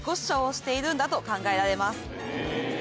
しているんだと考えられます。